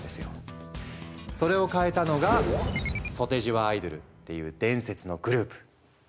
それを変えたのが「ソテジワアイドゥル」っていう伝説のグループ。